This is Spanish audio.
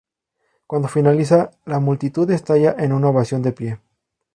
Cuando finaliza, la multitud estalla en una ovación de pie.